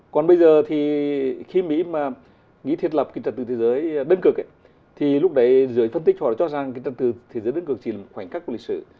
còn bây giờ thì khi mỹ mà nghĩ thiết lập trật tự thế giới đơn cực thì lúc đấy dưới thân tích họ đã cho rằng trật tự thế giới đơn cực chỉ là khoảnh khắc của lịch sử